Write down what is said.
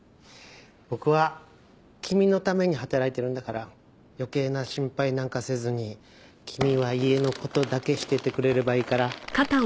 僕は君のために働いてるんだから余計な心配なんかせずに君は家の事だけしててくれればいいから。